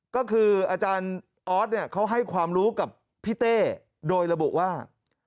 ก็คืออาจารย์ออสเนี่ยเขาให้ความรู้กับพี่เต้โดยระบุว่า